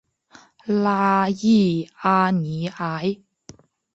拉戈阿尼埃。